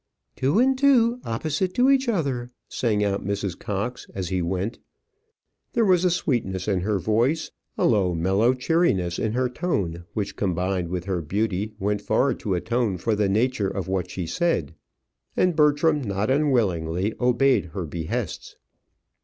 "Two and two; opposite to each other," sang out Mrs. Cox, as he went. There was a sweetness in her voice, a low, mellow cheeriness in her tone, which, combined with her beauty, went far to atone for the nature of what she said; and Bertram not unwillingly obeyed her behests.